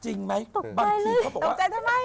จริงไหมบางทีเขาบอกว่า